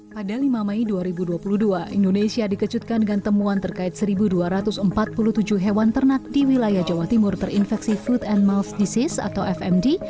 pada lima mei dua ribu dua puluh dua indonesia dikejutkan dengan temuan terkait satu dua ratus empat puluh tujuh hewan ternak di wilayah jawa timur terinfeksi food and mouth disease atau fmd